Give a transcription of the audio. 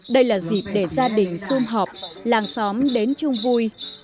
đây là dịp để gia đình xung họp làng xóm đến chung vui